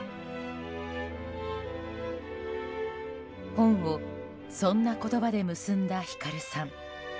本をそんな言葉で結んだ光さん。